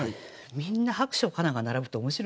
みんな「薄暑かな」が並ぶと面白いですね。